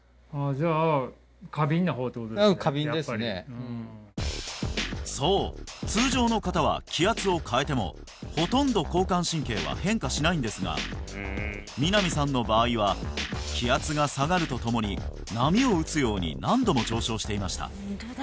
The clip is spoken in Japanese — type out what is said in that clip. じゃあそう通常の方は気圧を変えてもほとんど交感神経は変化しないんですが南さんの場合は気圧が下がるとともに波を打つように何度も上昇していました